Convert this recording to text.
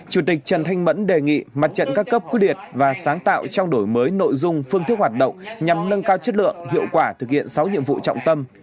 chủ tịch trần thanh mẫn đề nghị mặt trận các cấp quyết liệt và sáng tạo trong đổi mới nội dung phương thức hoạt động nhằm nâng cao chất lượng hiệu quả thực hiện sáu nhiệm vụ trọng tâm